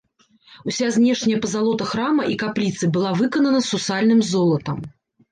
Уся знешняя пазалота храма і капліцы была выканана сусальным золатам.